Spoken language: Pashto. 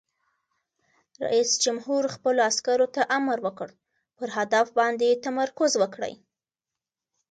رئیس جمهور خپلو عسکرو ته امر وکړ؛ پر هدف باندې تمرکز وکړئ!